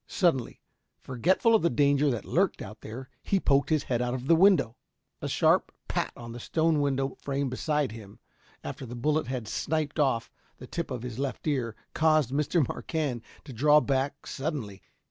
Suddenly, forgetful of the danger that lurked out there, he poked his head out of the window. A sharp pat on the stone window frame beside him, after the bullet had snipped off the tip of his left ear, caused Mr. Marquand to draw back suddenly.